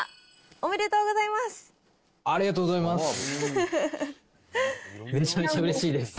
おめでとうございます。